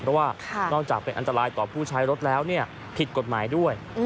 เพราะว่านอกจากเป็นอันตรายต่อผู้ใช้รถแล้วผิดกฎหมายด้วย